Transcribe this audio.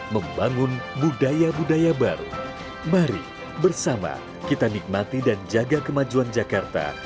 membangun budaya budaya baru mari bersama kita nikmati dan jaga kemajuan jakarta